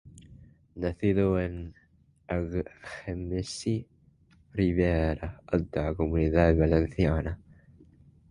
Nacido en Algemesí, Ribera Alta, Comunidad Valenciana.